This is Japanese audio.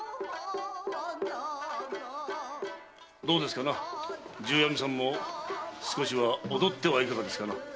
どうですかな重阿弥さんも少しは踊ってはいかがですかな？